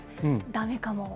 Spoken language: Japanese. だめかも。